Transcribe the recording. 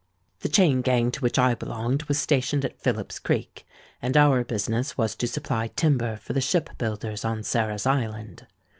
"The chain gang to which I belonged was stationed at Philip's Creek; and our business was to supply timber for the ship builders on Sarah's Island.